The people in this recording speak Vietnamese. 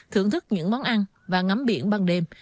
thưởng thức những món ăn và ngắm biển ban đêm